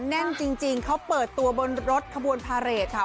แน่นจริงเขาเปิดตัวบนรถขบวนพาเรทค่ะ